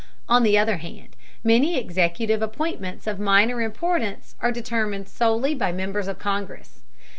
On the other hand, many executive appointments of minor importance are determined solely by members of Congress.